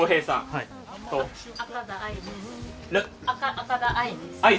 赤田愛です。